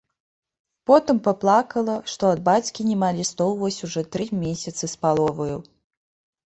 Потым паплакала, што ад бацькі няма лістоў вось ужо тры месяцы з паловаю.